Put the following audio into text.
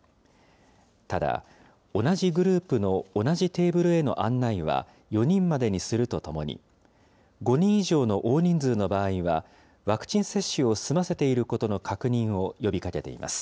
ただ、同じグループの同じテーブルへの案内は４人までにするとともに、５人以上の大人数の場合は、ワクチン接種を済ませていることの確認を呼びかけています。